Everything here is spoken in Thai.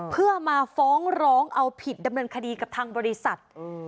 เพื่อมาฟ้องร้องเอาผิดดำเนินคดีกับทางบริษัท